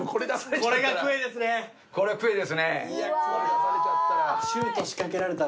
これ出されちゃったら。